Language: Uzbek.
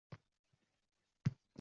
Holat bo’lib ko’rinar.